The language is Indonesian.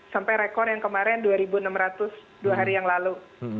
sampai rekor yang kemarin dua enam ratus dua hari yang lalu